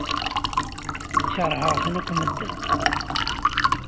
Keṛhen-ten akk medden.